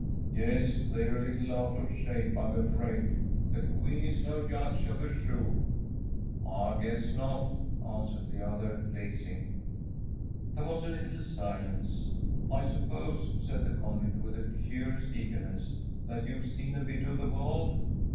“Yes; they're a little out of shape, I'm afraid. The Queen is no judge of a shoe.‚ÄĚ “I guess not!‚ÄĚ answered the other, lacing. There was a little silence. “I suppose,‚ÄĚ said the convict, with a curious eagerness, “that you have seen a bit of the world?